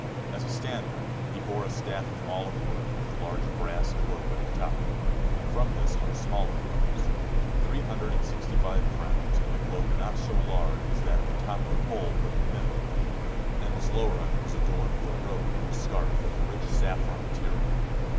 As a standard he bore a staff of olive wood with a large brass globe at the top. From this hung smaller globes. Three hundred and sixty five crowns and a globe not so large as that at the top of the pole were in the middle, and its lower end was adorned with a robe or scarf of rich saffron material.